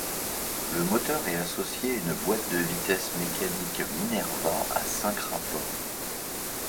Le moteur est associé à une boîte de vitesses mécanique Minerva à cinq rapports.